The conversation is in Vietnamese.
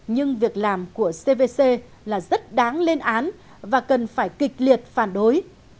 nhưng việc làm của cvc là rất đáng lên án và cần phải kịch liệt phản đối